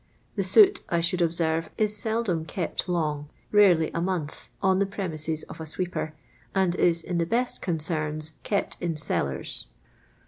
The soot, I should observe, is seldom kept long, rarely a month, on the premises of a sweeper, and is in the best "concerns" kept in cellars.